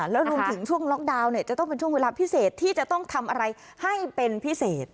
แล้วรวมถึงช่วงล็อกดาวน์เนี่ยจะต้องเป็นช่วงเวลาพิเศษที่จะต้องทำอะไรให้เป็นพิเศษ